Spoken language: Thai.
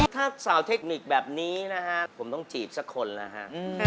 ถ้าสาวเทคนิคแบบนี้นะฮะผมต้องจีบสักคนแล้วฮะ